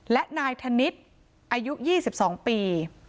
และนายธนิษฐ์อายุ๒๒ปี